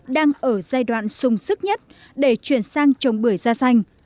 đang ở giai đoạn sùng sức nhất để chuyển sang trồng bưởi da xanh